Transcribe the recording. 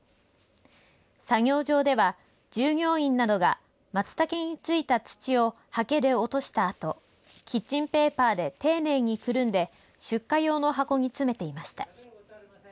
作業場では従業員などがマツタケに付いた土をはけで落としたあとキッチンペーパーで丁寧にくるんで出荷用の箱に詰めていました。